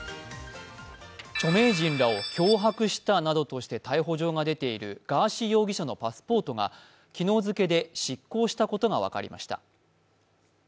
著名人らを脅迫したなどとして逮捕状が出ているガーシー容疑者のパスポートが昨日付けで失効したことが分かりました。